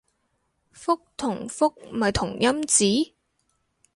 覆同復咪同音字